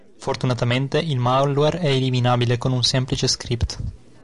Fortunatamente il malware è eliminabile con un semplice script.